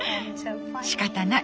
しかたない！